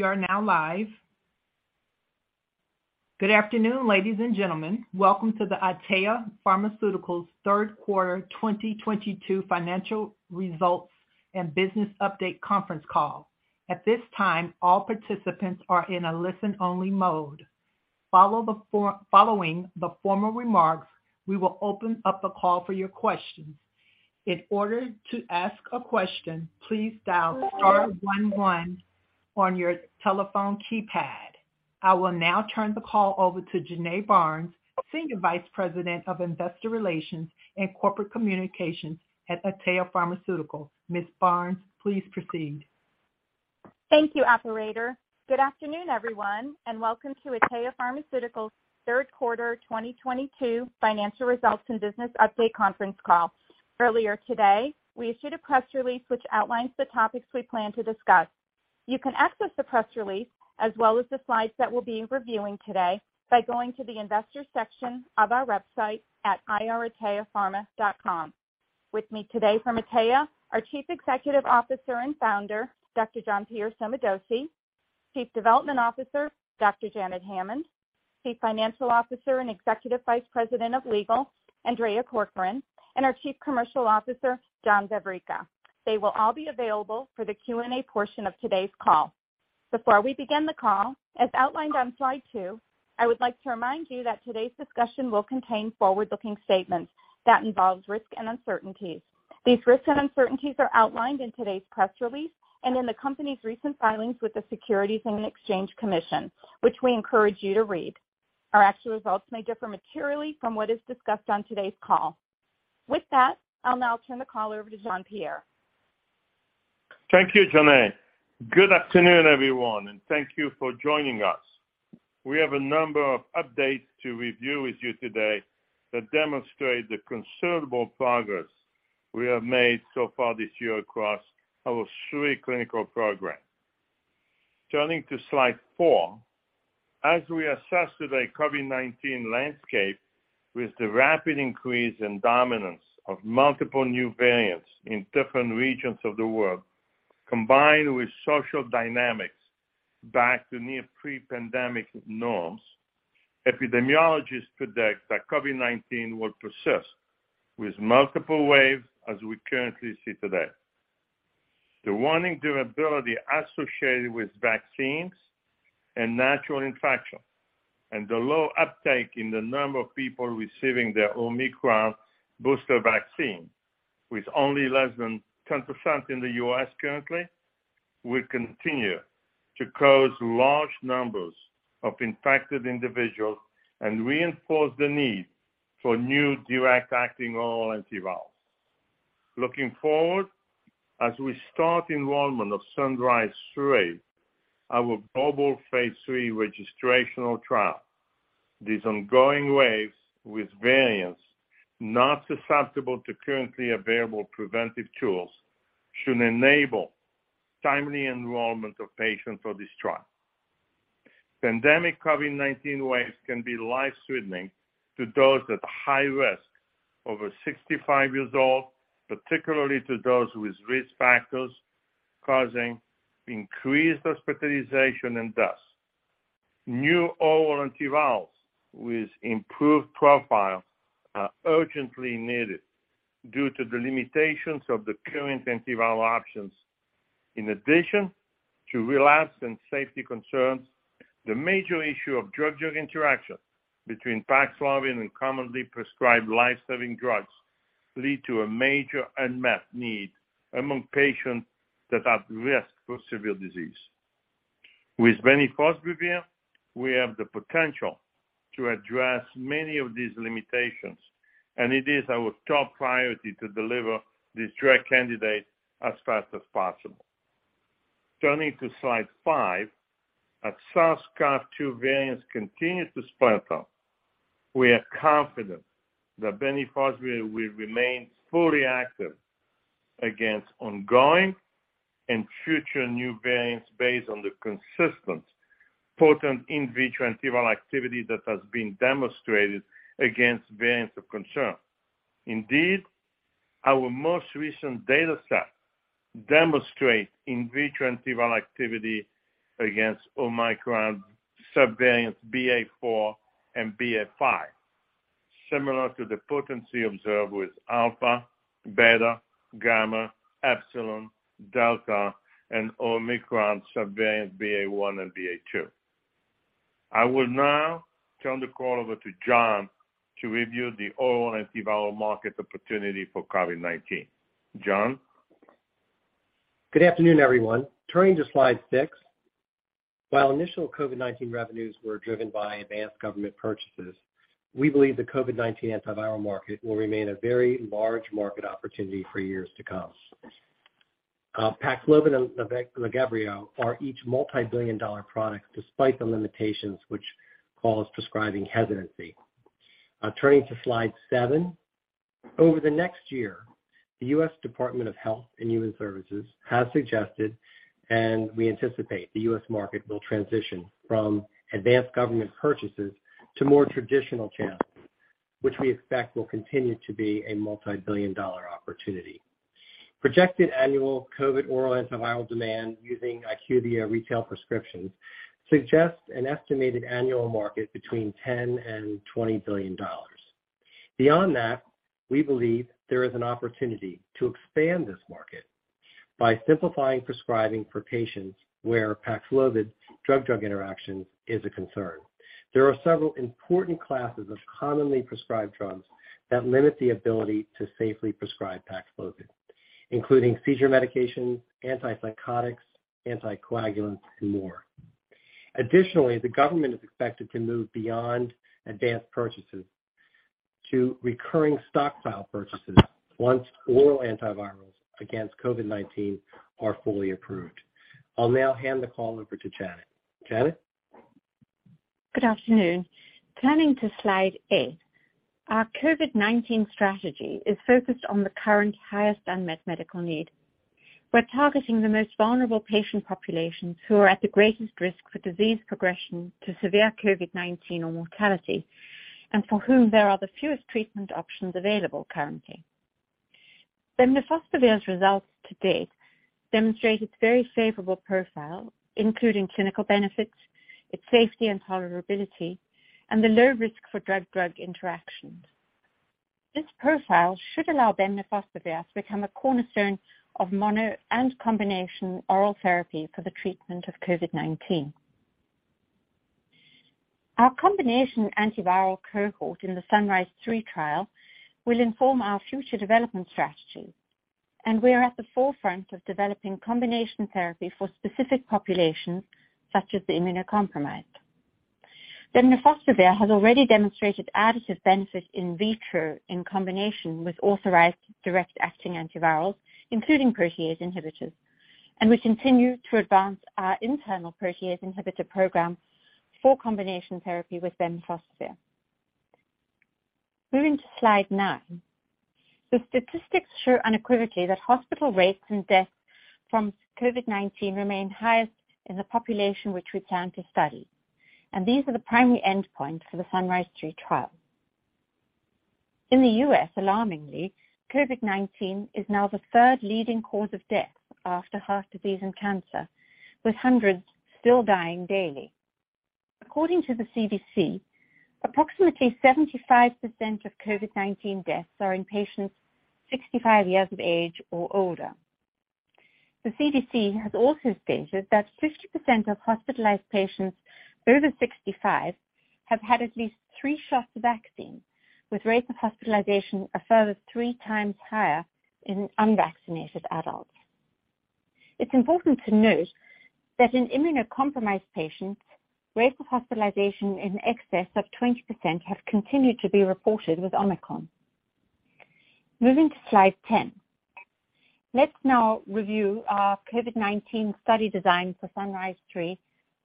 We are now live. Good afternoon, ladies and gentlemen. Welcome to the Atea Pharmaceuticals third quarter 2022 financial results and business update conference call. At this time, all participants are in a listen-only mode. Following the formal remarks, we will open up the call for your questions. In order to ask a question, please dial star one one on your telephone keypad. I will now turn the call over to Jonae Barnes, Senior Vice President of Investor Relations and Corporate Communications at Atea Pharmaceuticals. Ms. Barnes, please proceed. Thank you, operator. Good afternoon, everyone, and welcome to Atea Pharmaceuticals third quarter 2022 financial results and business update conference call. Earlier today, we issued a press release which outlines the topics we plan to discuss. You can access the press release as well as the slides that we'll be reviewing today by going to the investor section of our website at ir.ateapharma.com. With me today from Atea, our Chief Executive Officer and Founder, Dr. Jean-Pierre Sommadossi, Chief Development Officer, Dr. Janet Hammond, Chief Financial Officer and Executive Vice President of Legal, Andrea Corcoran, and our Chief Commercial Officer, John Vavricka. They will all be available for the Q&A portion of today's call. Before we begin the call, as outlined on slide two, I would like to remind you that today's discussion will contain forward-looking statements that involve risk and uncertainties. These risks and uncertainties are outlined in today's press release and in the company's recent filings with the Securities and Exchange Commission, which we encourage you to read. Our actual results may differ materially from what is discussed on today's call. With that, I'll now turn the call over to Jean-Pierre. Thank you, Jonae. Good afternoon, everyone, and thank you for joining us. We have a number of updates to review with you today that demonstrate the considerable progress we have made so far this year across our three clinical programs. Turning to slide four. As we assess today's COVID-19 landscape with the rapid increase in dominance of multiple new variants in different regions of the world, combined with social dynamics back to near pre-pandemic norms, epidemiologists predict that COVID-19 will persist with multiple waves as we currently see today. The waning durability associated with vaccines and natural infection and the low uptake in the number of people receiving their Omicron booster vaccine, with only less than 10% in the U.S. currently, will continue to cause large numbers of infected individuals and reinforce the need for new direct-acting oral antivirals. Looking forward, as we start enrollment of SUNRISE-3, our global phase III registrational trial, these ongoing waves with variants not susceptible to currently available preventive tools should enable timely enrollment of patients for this trial. Pandemic COVID-19 waves can be life-threatening to those at high risk over 65 years old, particularly to those with risk factors causing increased hospitalization and death. New oral antivirals with improved profile are urgently needed due to the limitations of the current antiviral options. In addition to relapse and safety concerns, the major issue of drug-drug interactions between PAXLOVID and commonly prescribed life-saving drugs lead to a major unmet need among patients that are at risk for severe disease. With bemnifosbuvir, we have the potential to address many of these limitations, and it is our top priority to deliver this drug candidate as fast as possible. Turning to slide five. As SARS-CoV-2 variants continue to spread out, we are confident that bemnifosbuvir will remain fully active against ongoing and future new variants based on the consistent potent in vitro antiviral activity that has been demonstrated against variants of concern. Indeed, our most recent data set demonstrate in vitro antiviral activity against Omicron subvariants BA.4 and BA.5, similar to the potency observed with Alpha, Beta, Gamma, Epsilon, Delta, and Omicron subvariants BA.1 and BA.2. I will now turn the call over to John to review the oral antiviral market opportunity for COVID-19. John? Good afternoon, everyone. Turning to slide six. While initial COVID-19 revenues were driven by advanced government purchases, we believe the COVID-19 antiviral market will remain a very large market opportunity for years to come. PAXLOVID and LAGEVRIO are each multi-billion dollar products despite the limitations which cause prescribing hesitancy. Turning to slide seven. Over the next year, the U.S. Department of Health and Human Services has suggested, and we anticipate the U.S. market will transition from advanced government purchases to more traditional channels, which we expect will continue to be a multi-billion dollar opportunity. Projected annual COVID oral antiviral demand using IQVIA retail prescriptions suggests an estimated annual market between $10 billion and $20 billion. Beyond that, we believe there is an opportunity to expand this market by simplifying prescribing for patients where PAXLOVID drug-drug interactions is a concern. There are several important classes of commonly prescribed drugs that limit the ability to safely prescribe PAXLOVID, including seizure medications, antipsychotics, anticoagulants, and more. Additionally, the government is expected to move beyond advanced purchases to recurring stockpile purchases once oral antivirals against COVID-19 are fully approved. I'll now hand the call over to Janet. Janet? Good afternoon. Turning to slide eight. Our COVID-19 strategy is focused on the current highest unmet medical need. We're targeting the most vulnerable patient populations who are at the greatest risk for disease progression to severe COVID-19 or mortality, and for whom there are the fewest treatment options available currently. Bemnifosbuvir's results to date demonstrate its very favorable profile, including clinical benefits, its safety and tolerability, and the low risk for drug-drug interactions. This profile should allow bemnifosbuvir to become a cornerstone of mono and combination oral therapy for the treatment of COVID-19. Our combination antiviral cohort in the SUNRISE-3 trial will inform our future development strategy, and we are at the forefront of developing combination therapy for specific populations such as the immunocompromised. Bemnifosbuvir has already demonstrated additive benefit in vitro in combination with authorized direct-acting antivirals, including protease inhibitors, and we continue to advance our internal protease inhibitor program for combination therapy with bemnifosbuvir. Moving to slide nine. The statistics show unequivocally that hospitalization rates and deaths from COVID-19 remain highest in the population which we plan to study, and these are the primary endpoint for the SUNRISE-3 trial. In the U.S., alarmingly, COVID-19 is now the third leading cause of death after heart disease and cancer, with hundreds still dying daily. According to the CDC, approximately 75% of COVID-19 deaths are in patients 65 years of age or older. The CDC has also stated that 50% of hospitalized patients over 65 have had at least three shots of vaccine, with rates of hospitalization a further three times higher in unvaccinated adults. It's important to note that in immunocompromised patients, rates of hospitalization in excess of 20% have continued to be reported with Omicron. Moving to slide 10. Let's now review our COVID-19 study design for SUNRISE-3,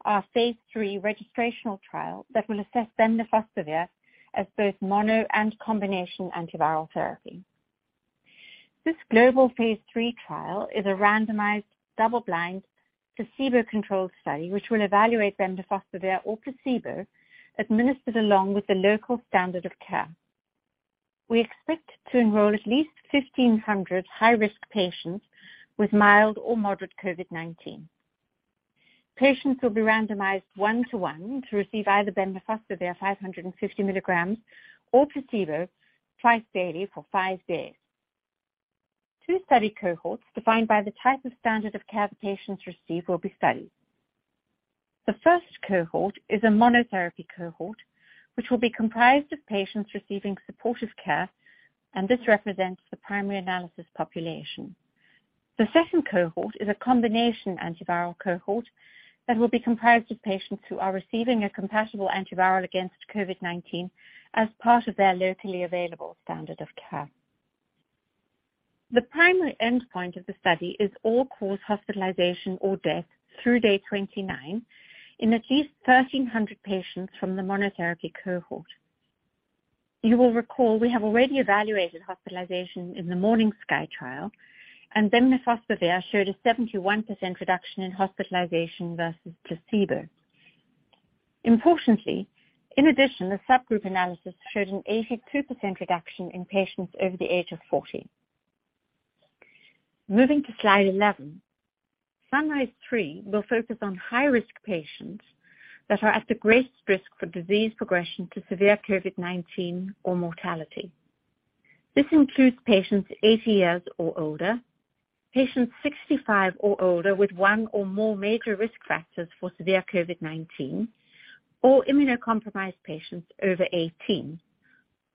our phase III registrational trial that will assess bemnifosbuvir as both mono and combination antiviral therapy. This global phase III trial is a randomized, double-blind, placebo-controlled study which will evaluate bemnifosbuvir or placebo administered along with the local standard of care. We expect to enroll at least 1,500 high-risk patients with mild or moderate COVID-19. Patients will be randomized 1:1 to receive either bemnifosbuvir 550 mg or placebo twice daily for five days. Two study cohorts defined by the type of standard of care patients receive will be studied. The first cohort is a monotherapy cohort, which will be comprised of patients receiving supportive care, and this represents the primary analysis population. The second cohort is a combination antiviral cohort that will be comprised of patients who are receiving a compatible antiviral against COVID-19 as part of their locally available standard of care. The primary endpoint of the study is all-cause hospitalization or death through day 29 in at least 1,300 patients from the monotherapy cohort. You will recall we have already evaluated hospitalization in the MORNINGSKY trial, and AT-527 showed a 71% reduction in hospitalization versus placebo. Importantly, in addition, the subgroup analysis showed an 82% reduction in patients over the age of 40. Moving to slide 11. SUNRISE-3 will focus on high-risk patients that are at the greatest risk for disease progression to severe COVID-19 or mortality. This includes patients 80 years or older, patients 65 or older with one or more major risk factors for severe COVID-19, or immunocompromised patients over 18,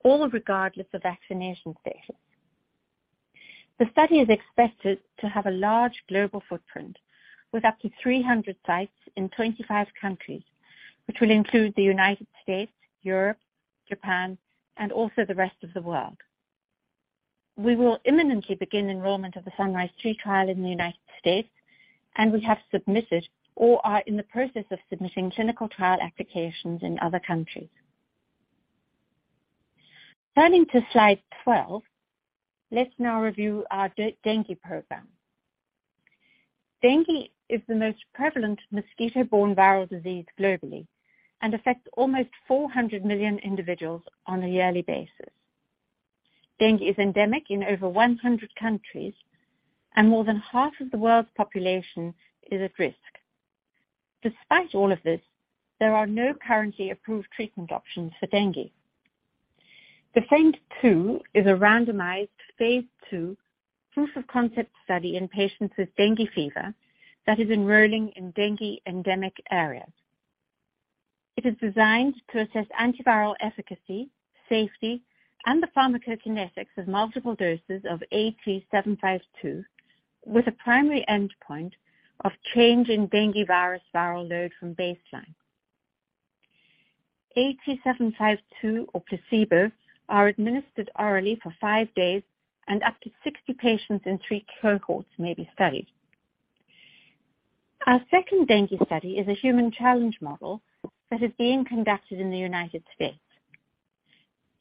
all regardless of vaccination status. The study is expected to have a large global footprint with up to 300 sites in 25 countries, which will include the United States, Europe, Japan, and also the rest of the world. We will imminently begin enrollment of the SUNRISE-3 trial in the United States, and we have submitted or are in the process of submitting clinical trial applications in other countries. Turning to slide 12, let's now review our dengue program. Dengue is the most prevalent mosquito-borne viral disease globally and affects almost 400 million individuals on a yearly basis. Dengue is endemic in over 100 countries and more than half of the world's population is at risk. Despite all of this, there are no currently approved treatment options for dengue. DEFEND-2 is a randomized phase II proof of concept study in patients with dengue fever that is enrolling in dengue endemic areas. It is designed to assess antiviral efficacy, safety, and the pharmacokinetics of multiple doses of AT-752, with a primary endpoint of change in dengue virus viral load from baseline. AT-752 or placebo are administered orally for five days and up to 60 patients in three cohorts may be studied. Our second dengue study is a human challenge model that is being conducted in the United States.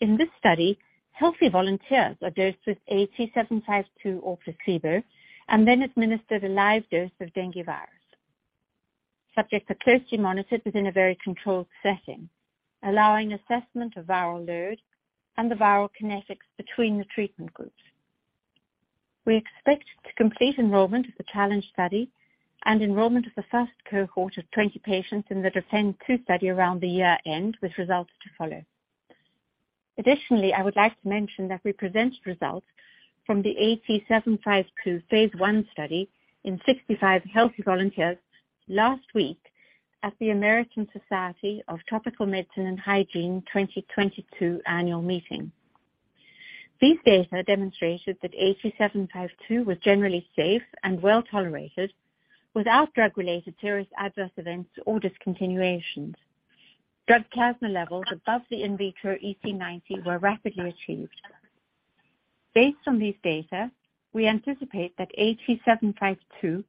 In this study, healthy volunteers are dosed with AT-752 or placebo and then administered a live dose of dengue virus. Subjects are closely monitored within a very controlled setting, allowing assessment of viral load and the viral kinetics between the treatment groups. We expect to complete enrollment of the challenge study and enrollment of the first cohort of 20 patients in the DEFEND-2 study around the year-end, with results to follow. Additionally, I would like to mention that we presented results from the AT-752 phase I study in 65 healthy volunteers last week at the American Society of Tropical Medicine and Hygiene 2022 annual meeting. These data demonstrated that AT-752 was generally safe and well-tolerated without drug-related serious adverse events or discontinuations. Drug plasma levels above the in vitro EC90 were rapidly achieved. Based on these data, we anticipate that AT-752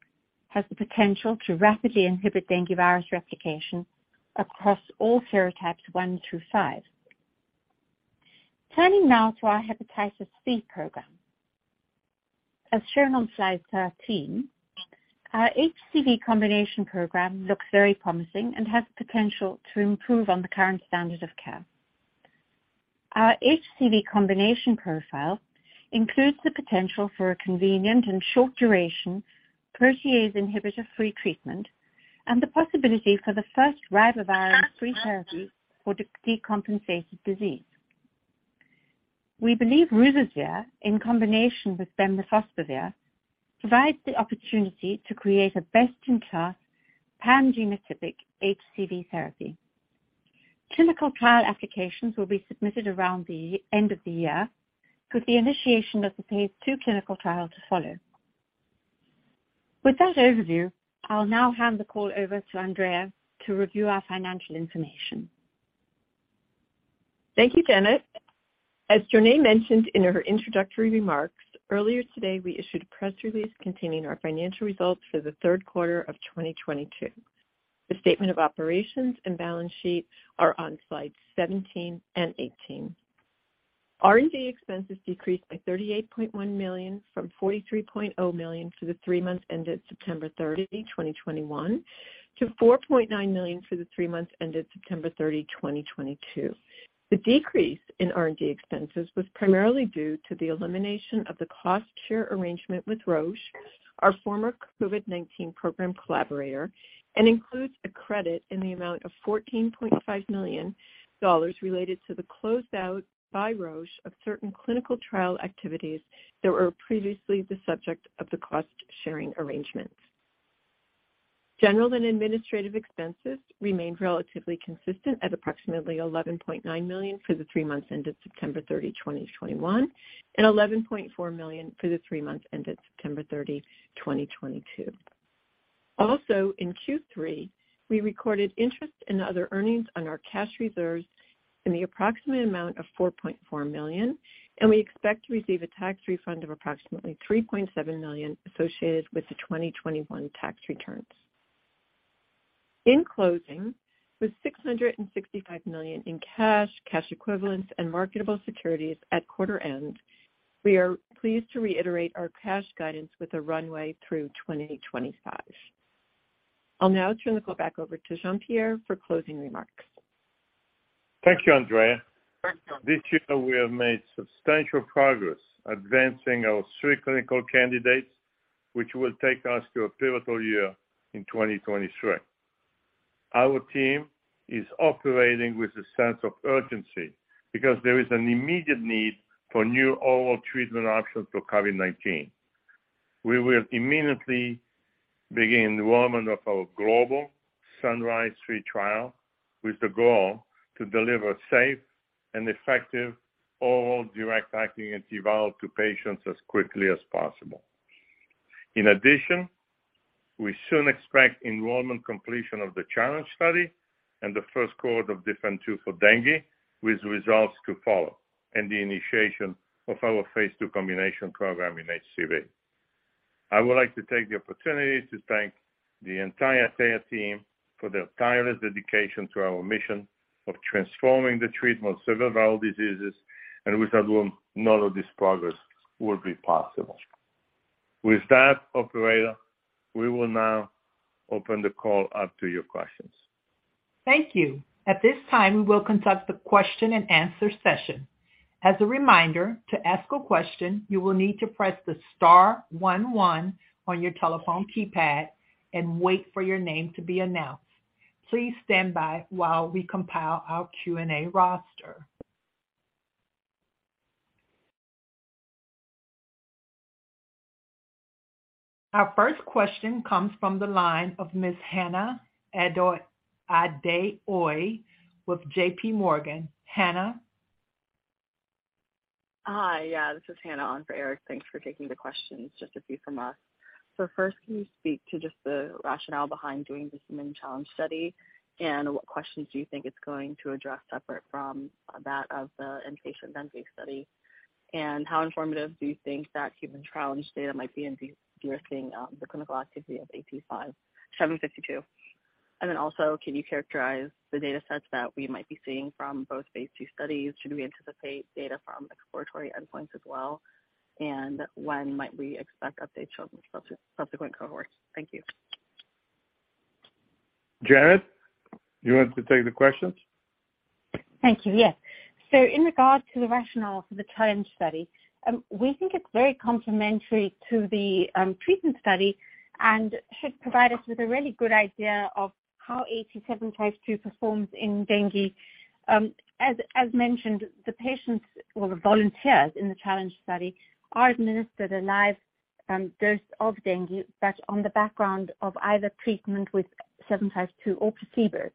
has the potential to rapidly inhibit dengue virus replication across all serotypes 1 through 5. Turning now to our Hepatitis C program. As shown on slide 13, our HCV combination program looks very promising and has the potential to improve on the current standard of care. Our HCV combination profile includes the potential for a convenient and short duration protease inhibitor-free treatment and the possibility for the first ribavirin-free therapy for decompensated disease. We believe ruzasvir, in combination with bemnifosbuvir, provides the opportunity to create a best-in-class pan-genotypic HCV therapy. Clinical trial applications will be submitted around year-end, with the initiation of the phase II clinical trial to follow. With that overview, I'll now hand the call over to Andrea to review our financial information. Thank you, Janet. As Jonae mentioned in her introductory remarks, earlier today we issued a press release containing our financial results for the third quarter of 2022. The statement of operations and balance sheet are on slides 17 and 18. R&D expenses decreased by $38.1 million from $43.0 million for the three months ended September 30, 2021 to $4.9 million for the three months ended September 30, 2022. The decrease in R&D expenses was primarily due to the elimination of the cost share arrangement with Roche, our former COVID-19 program collaborator, and includes a credit in the amount of $14.5 million related to the closeout by Roche of certain clinical trial activities that were previously the subject of the cost-sharing arrangement. General and administrative expenses remained relatively consistent at approximately $11.9 million for the three months ended September 30, 2021, and $11.4 million for the three months ended September 30, 2022. Also, in Q3, we recorded interest and other earnings on our cash reserves in the approximate amount of $4.4 million, and we expect to receive a tax refund of approximately $3.7 million associated with the 2021 tax returns. In closing, with $665 million in cash equivalents and marketable securities at quarter end, we are pleased to reiterate our cash guidance with a runway through 2025. I'll now turn the call back over to Jean-Pierre for closing remarks. Thank you, Andrea. This year we have made substantial progress advancing our three clinical candidates, which will take us to a pivotal year in 2023. Our team is operating with a sense of urgency because there is an immediate need for new oral treatment options for COVID-19. We will immediately begin enrollment of our global SUNRISE-3 trial with the goal to deliver safe and effective oral direct-acting antiviral to patients as quickly as possible. In addition, we soon expect enrollment completion of the challenge study and the first cohort of DEFEND-2 for dengue, with results to follow, and the initiation of our phase II combination program in HCV. I would like to take the opportunity to thank the entire Atea team for their tireless dedication to our mission of transforming the treatment of severe viral diseases, and without whom none of this progress would be possible. With that, operator, we will now open the call up to your questions. Thank you. At this time, we will conduct the question-and-answer session. As a reminder, to ask a question, you will need to press the star one one on your telephone keypad and wait for your name to be announced. Please stand by while we compile our Q&A roster. Our first question comes from the line of Ms. Hannah Adeoye with JP Morgan. Hannah? Hi. Yeah, this is Hannah on for Eric. Thanks for taking the questions. Just a few from us. First, can you speak to just the rationale behind doing this human challenge study, and what questions do you think it's going to address separate from that of the inpatient dengue study? How informative do you think that human challenge data might be in de-risking the clinical activity of AT-752? Then also, can you characterize the data sets that we might be seeing from both BA.2 studies? Should we anticipate data from exploratory endpoints as well? When might we expect updates on subsequent cohorts? Thank you. Janet, you want to take the questions? Thank you. Yes. In regard to the rationale for the challenge study, we think it's very complementary to the treatment study and should provide us with a really good idea of how AT-752 performs in dengue. As mentioned, the patients or the volunteers in the challenge study are administered a live dose of dengue, but on the background of either treatment with 752 or placebo.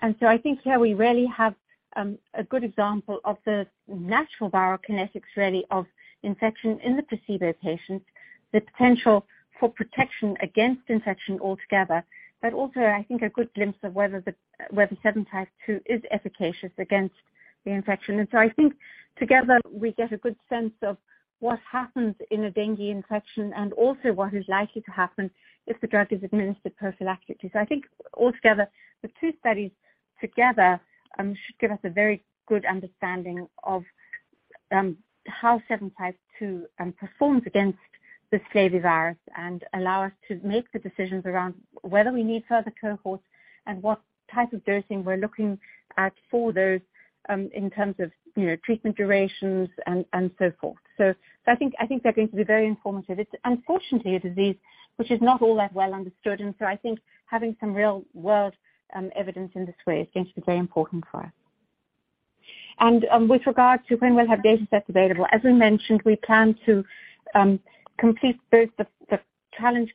I think here we really have a good example of the natural viral kinetics, really, of infection in the placebo patients, the potential for protection against infection altogether, but also, I think, a good glimpse of whether 752 is efficacious against reinfection. I think together we get a good sense of what happens in a dengue infection and also what is likely to happen if the drug is administered prophylactically. I think altogether, the two studies together should give us a very good understanding of how AT-752 performs against this flavivirus and allow us to make the decisions around whether we need further cohorts and what type of dosing we're looking at for those, in terms of you know treatment durations and so forth. I think they're going to be very informative. It's unfortunately a disease which is not all that well understood, and so I think having some real-world evidence in this way is going to be very important for us. With regard to when we'll have datasets available, as we mentioned, we plan to complete both the challenge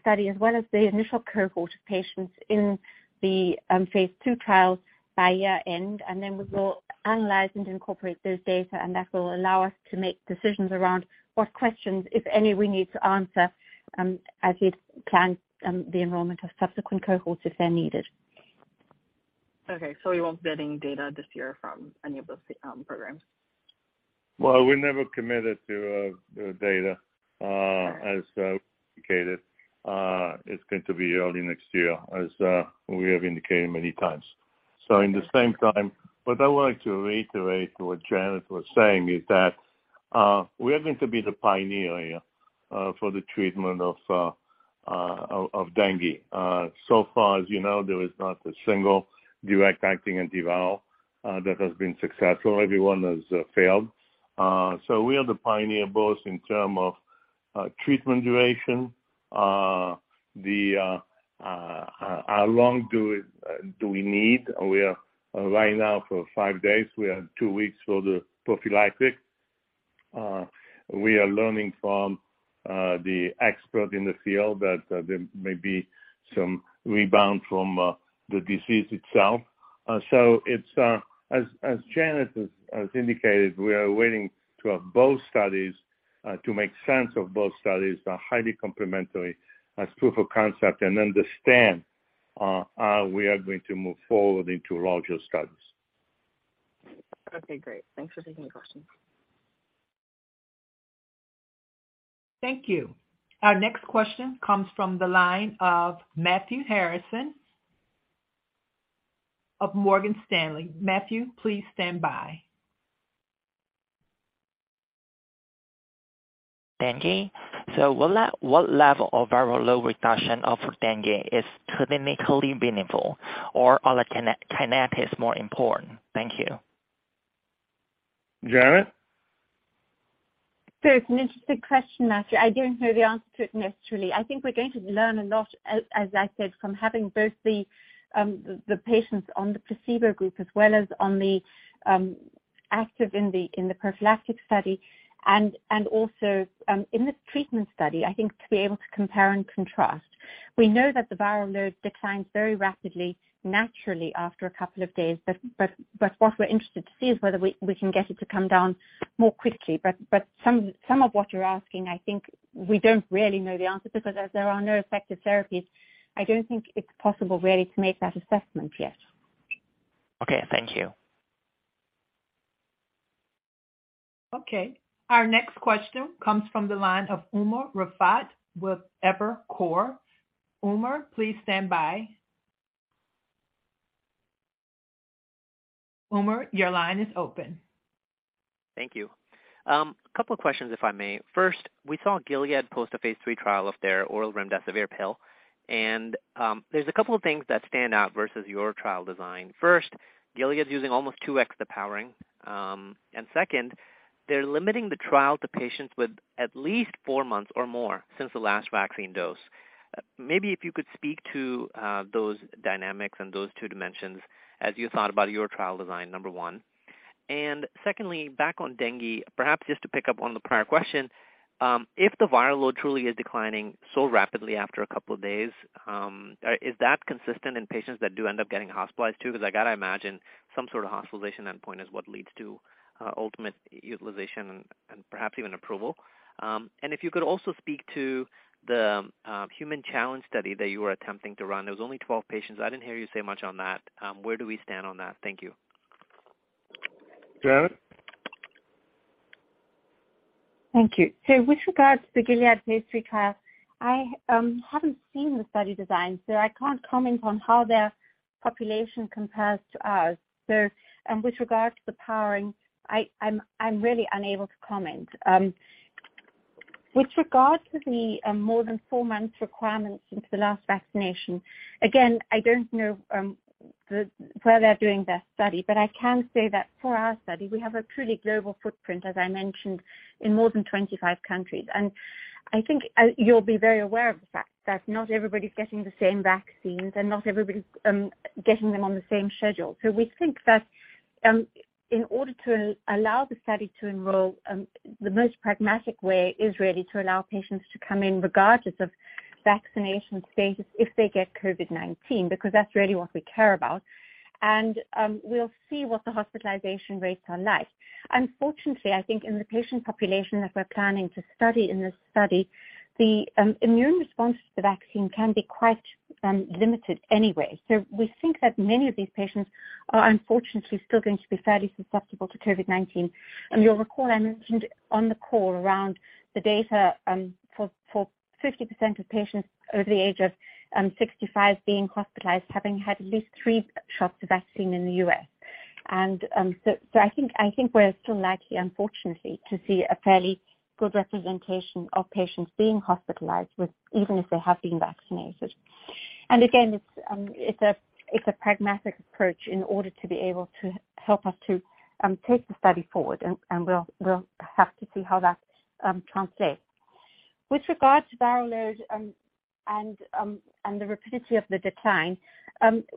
study as well as the initial cohort of patients in the phase II trials by year-end, and then we will analyze and incorporate those data, and that will allow us to make decisions around what questions, if any, we need to answer as we plan the enrollment of subsequent cohorts if they're needed. Okay, we won't be getting data this year from any of those programs? Well, we never committed to data. All right. As indicated, it's going to be early next year, as we have indicated many times. At the same time, what I wanted to reiterate what Janet was saying is that, we are going to be the pioneer here, for the treatment of dengue. So far as you know, there is not a single direct-acting antiviral that has been successful. Everyone has failed. We are the pioneer both in terms of treatment duration, the how long do we need. We are right now for five days. We are two weeks for the prophylactic. We are learning from the expert in the field that there may be some rebound from the disease itself. As Janet has indicated, we are waiting to have both studies to make sense of both studies. Both studies are highly complementary as proof of concept and understand how we are going to move forward into larger studies. Okay, great. Thanks for taking the question. Thank you. Our next question comes from the line of Matthew Harrison of Morgan Stanley. Matthew, please stand by. Dengue. What level of viral load reduction of dengue is clinically meaningful or are the kinetics more important? Thank you. Janet? It's an interesting question, Matthew. I don't know the answer to it necessarily. I think we're going to learn a lot, as I said, from having both the patients on the placebo group as well as on the active in the prophylactic study and also in the treatment study. I think to be able to compare and contrast. We know that the viral load declines very rapidly naturally after a couple of days, but what we're interested to see is whether we can get it to come down more quickly. Some of what you're asking, I think we don't really know the answer because as there are no effective therapies, I don't think it's possible really to make that assessment yet. Okay. Thank you. Okay. Our next question comes from the line of Umer Raffat with Evercore. Umer, please stand by. Umer, your line is open. Thank you. A couple of questions, if I may. First, we saw Gilead post a phase III trial of their oral remdesivir pill, and, there's a couple of things that stand out versus your trial design. First, Gilead's using almost 2x the powering, and second, they're limiting the trial to patients with at least four months or more since the last vaccine dose. Maybe if you could speak to, those dynamics and those two dimensions as you thought about your trial design, number one. Secondly, back on dengue, perhaps just to pick up on the prior question, if the viral load truly is declining so rapidly after a couple of days, is that consistent in patients that do end up getting hospitalized, too? Because I gotta imagine some sort of hospitalization endpoint is what leads to ultimate utilization and perhaps even approval. If you could also speak to the human challenge study that you were attempting to run. It was only 12 patients. I didn't hear you say much on that. Where do we stand on that? Thank you. Janet? Thank you. With regards to the Gilead phase III trial, I haven't seen the study design, so I can't comment on how their population compares to ours. With regard to the powering, I'm really unable to comment. With regards to the more than four months requirements into the last vaccination, again, I don't know where they're doing their study, but I can say that for our study, we have a truly global footprint, as I mentioned, in more than 25 countries. I think you'll be very aware of the fact that not everybody's getting the same vaccines and not everybody's getting them on the same schedule. We think that, in order to allow the study to enroll, the most pragmatic way is really to allow patients to come in regardless of vaccination status if they get COVID-19, because that's really what we care about. We'll see what the hospitalization rates are like. Unfortunately, I think in the patient population that we're planning to study in this study, the immune response to the vaccine can be quite limited anyway. We think that many of these patients are unfortunately still going to be fairly susceptible to COVID-19. You'll recall I mentioned on the call around the data for 50% of patients over the age of 65 being hospitalized, having had at least three shots of vaccine in the U.S. I think we're still likely, unfortunately, to see a fairly good representation of patients being hospitalized with, even if they have been vaccinated. Again, it's a pragmatic approach in order to be able to help us to take the study forward, and we'll have to see how that translates. With regard to viral load and the rapidity of the decline,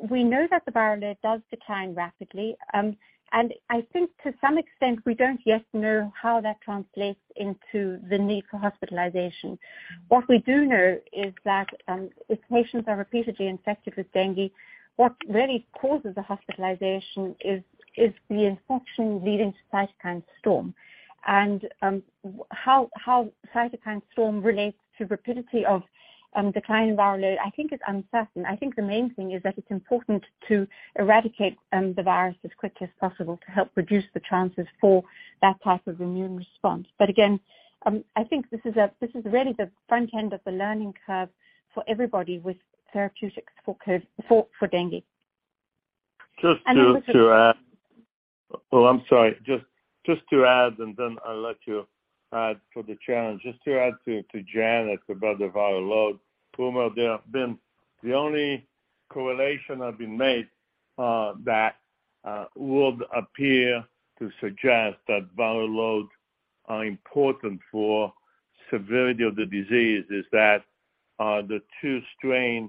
we know that the viral load does decline rapidly. I think to some extent, we don't yet know how that translates into the need for hospitalization. What we do know is that if patients are repeatedly infected with dengue, what really causes the hospitalization is the infection leading to cytokine storm. How cytokine storm relates to rapidity of decline in viral load, I think is uncertain. I think the main thing is that it's important to eradicate the virus as quickly as possible to help reduce the chances for that type of immune response. I think this is really the front end of the learning curve for everybody with therapeutics for dengue. Just to add. Oh, I'm sorry. Just to add, and then I'll let you add for the challenge. Just to add to Janet about the viral load, Umer, the only correlation that has been made that would appear to suggest that viral loads are important for severity of the disease is that the two strains,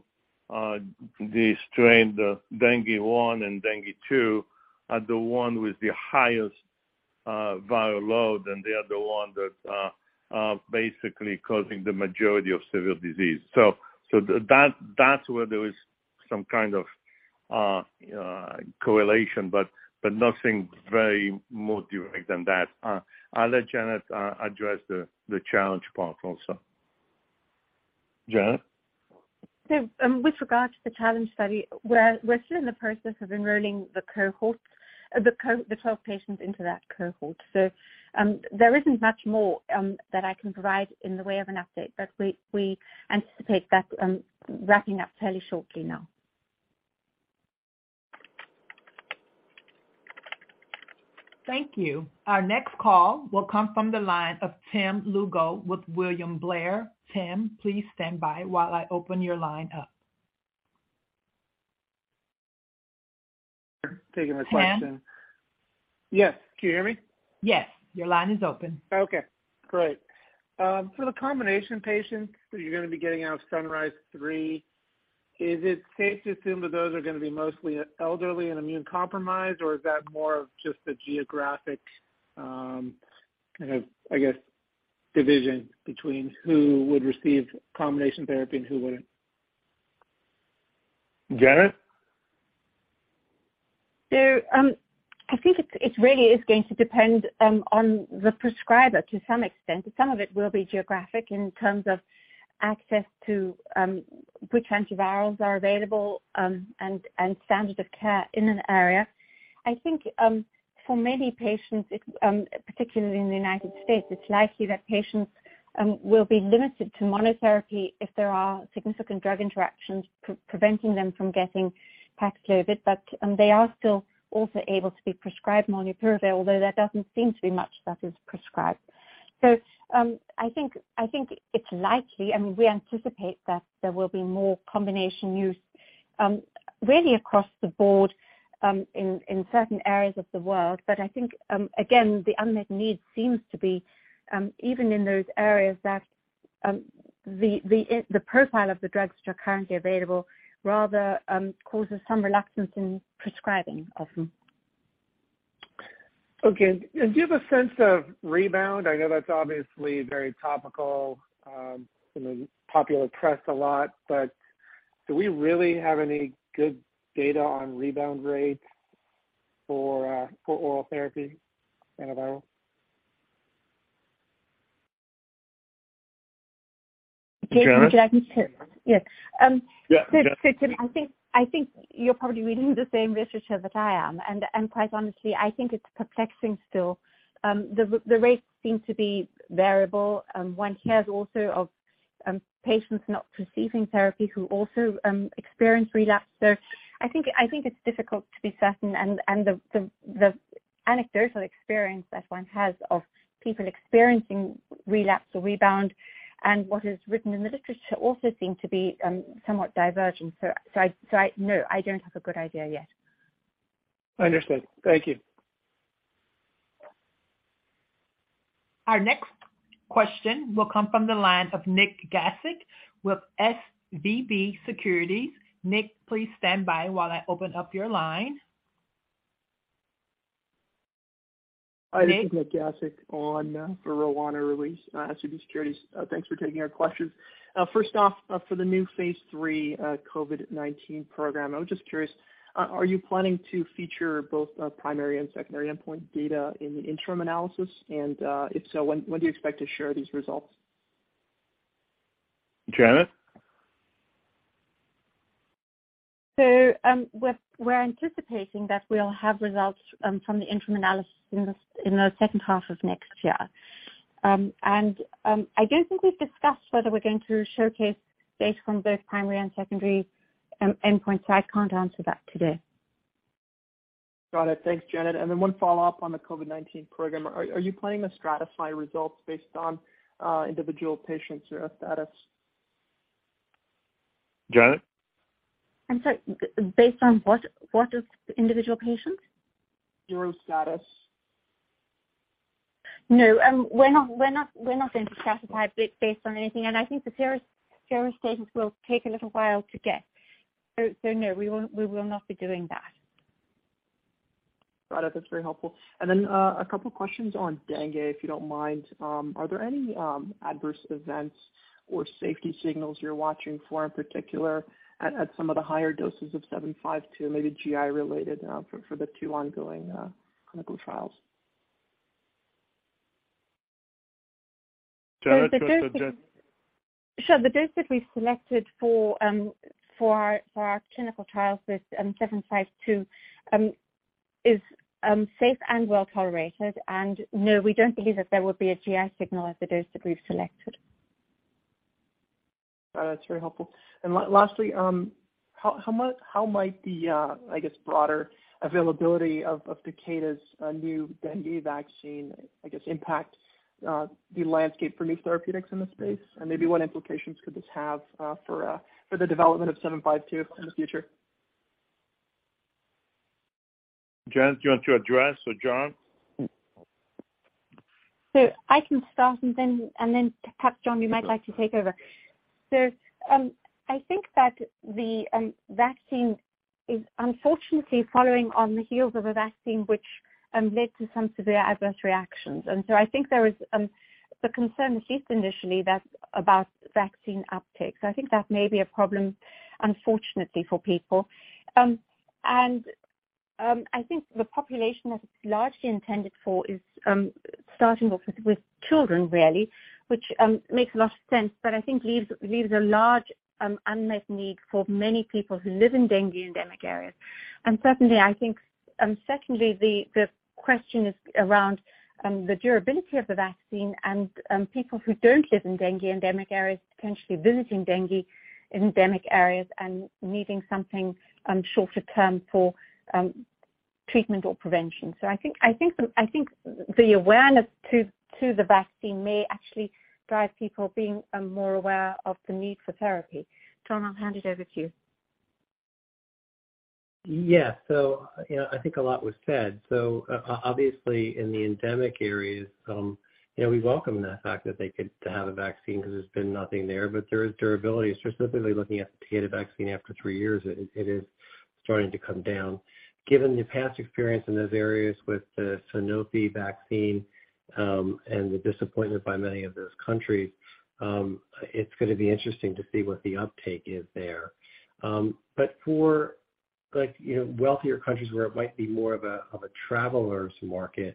dengue 1 and dengue 2, are the ones with the highest viral load, and they are the ones that are basically causing the majority of severe disease. So that's where there is some kind of correlation, but nothing much more direct than that. I'll let Janet address the challenge part also. Janet? With regards to the challenge study, we're still in the process of enrolling the cohorts, the 12 patients into that cohort. There isn't much more that I can provide in the way of an update, but we anticipate that wrapping up fairly shortly now. Thank you. Our next call will come from the line of Tim Lugo with William Blair. Tim, please stand by while I open your line up. Tim? Taking the question. Yes. Can you hear me? Yes. Your line is open. Okay, great. For the combination patients that you're gonna be getting out of SUNRISE-3, is it safe to assume that those are gonna be mostly elderly and immune compromised, or is that more of just a geographic, kind of, I guess, division between who would receive combination therapy and who wouldn't? Janet? I think it's, it really is going to depend on the prescriber to some extent. Some of it will be geographic in terms of access to which antivirals are available, and standard of care in an area. I think for many patients, it particularly in the United States, it's likely that patients will be limited to monotherapy if there are significant drug interactions preventing them from getting PAXLOVID. They are still also able to be prescribed molnupiravir, although there doesn't seem to be much that is prescribed. I think it's likely, and we anticipate that there will be more combination use really across the board in certain areas of the world. I think, again, the unmet need seems to be, even in those areas that the profile of the drugs which are currently available rather causes some reluctance in prescribing of them. Okay. Do you have a sense of rebound? I know that's obviously very topical in the popular press a lot, but do we really have any good data on rebound rates for for oral therapy antiviral? Yes. Yeah. Tim, I think you're probably reading the same literature that I am, and quite honestly, I think it's perplexing still. The rates seem to be variable. One hears also of patients not receiving therapy who also experience relapse. I think it's difficult to be certain and the anecdotal experience that one has of people experiencing relapse or rebound and what is written in the literature also seem to be somewhat divergent. No, I don't have a good idea yet. Understood. Thank you. Our next question will come from the line of Nik Gasic with SVB Securities. Nik, please stand by while I open up your line. Nik? This is Nik Gasic on for Roanna Ruiz, SVB Securities. Thanks for taking our questions. First off, for the new phase III COVID-19 program, I was just curious, are you planning to feature both primary and secondary endpoint data in the interim analysis? If so, when do you expect to share these results? Janet? We're anticipating that we'll have results from the interim analysis in the second half of next year. I don't think we've discussed whether we're going to showcase data from both primary and secondary endpoints. I can't answer that today. Got it. Thanks, Janet. One follow-up on the COVID-19 program. Are you planning to stratify results based on individual patients' neuro status? Janet? I'm sorry. Based on what? What of individual patients? Neuro status. No, we're not going to stratify based on anything. I think the neuro status will take a little while to get. No, we will not be doing that. Got it. That's very helpful. Then, a couple questions on dengue, if you don't mind. Are there any adverse events or safety signals you're watching for in particular at some of the higher doses of AT-752, maybe GI related, for the two ongoing clinical trials? Sure. The dose that we selected for our clinical trials with 752 is safe and well-tolerated. No, we don't believe that there will be a GI signal at the dose that we've selected. Got it. That's very helpful. Lastly, how might the, I guess broader availability of Takeda's new dengue vaccine, I guess, impact the landscape for new therapeutics in this space? Maybe what implications could this have for the development of AT-752 in the future? Janet, do you want to address or John? I can start and then perhaps John, you might like to take over. I think that the vaccine is unfortunately following on the heels of a vaccine which led to some severe adverse reactions. I think there is the concern, at least initially, about vaccine uptake. I think that may be a problem, unfortunately, for people. I think the population that it's largely intended for is starting off with children really, which makes a lot of sense, but I think leaves a large unmet need for many people who live in dengue-endemic areas. Certainly I think, secondly, the question is around the durability of the vaccine and people who don't live in dengue-endemic areas, potentially visiting dengue-endemic areas and needing something shorter term for treatment or prevention. I think the awareness to the vaccine may actually drive people being more aware of the need for therapy. John, I'll hand it over to you. Yeah, you know, I think a lot was said. Obviously in the endemic areas, you know, we welcome the fact that they could have a vaccine because there's been nothing there. There is durability, specifically looking at Takeda vaccine after three years, it is starting to come down. Given the past experience in those areas with the Sanofi vaccine, and the disappointment by many of those countries, it's gonna be interesting to see what the uptake is there. For like, you know, wealthier countries where it might be more of a traveler's market,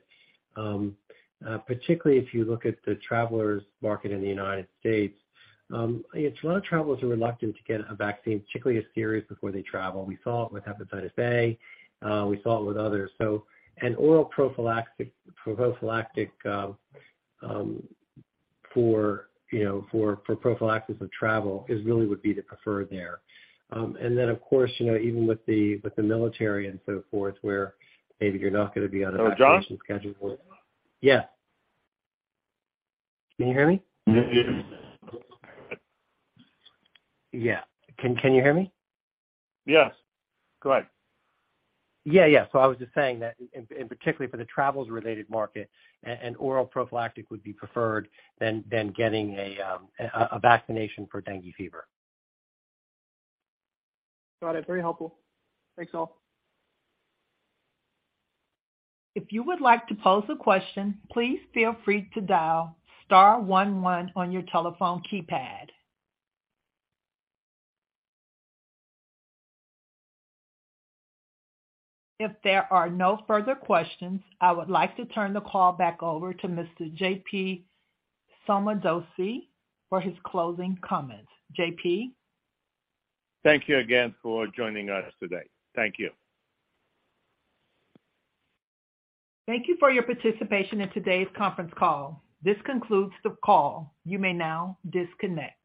particularly if you look at the travelers market in the United States, a lot of travelers are reluctant to get a vaccine, particularly a series before they travel. We saw it with hepatitis A, we saw it with others. An oral prophylactic for, you know, for prophylaxis of travel is really would be the preferred there. Of course, you know, even with the military and so forth where maybe you're not gonna be on a vaccination schedule. John? Yes. Can you hear me? Yes. Yeah. Can you hear me? Yes. Go ahead. Yeah, I was just saying that in particular for the travel-related market, an oral prophylactic would be preferred than getting a vaccination for dengue fever. Got it. Very helpful. Thanks all. If you would like to pose a question, please feel free to dial star one one on your telephone keypad. If there are no further questions, I would like to turn the call back over to Mr. Jean-Pierre Sommadossi for his closing comments. Jean-Pierre? Thank you again for joining us today. Thank you. Thank you for your participation in today's conference call. This concludes the call. You may now disconnect.